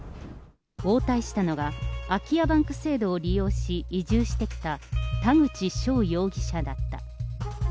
応対したのは、空き家バンク制度を利用し、移住してきた田口翔容疑者だった。